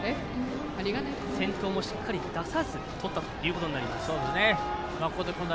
先頭をしっかり出さずにとったということになります。